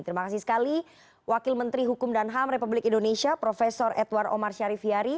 terima kasih sekali wakil menteri hukum dan ham republik indonesia prof edward omar syarifyari